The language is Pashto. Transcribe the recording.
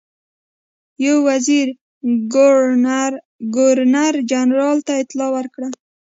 یو وزیر ګورنر جنرال ته اطلاع ورکړه.